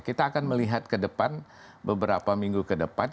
kita akan melihat ke depan beberapa minggu ke depan